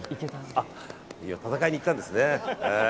戦いに行ったんですね。